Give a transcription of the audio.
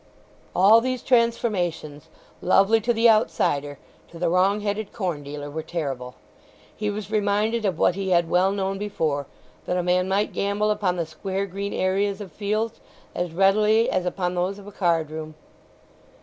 All these transformations, lovely to the outsider, to the wrong headed corn dealer were terrible. He was reminded of what he had well known before, that a man might gamble upon the square green areas of fields as readily as upon those of a card room.